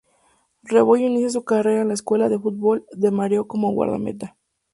Rebollo inicia su carrera en la Escuela de fútbol de Mareo como guardameta.